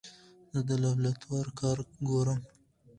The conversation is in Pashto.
زه د لابراتوار کار ګورم.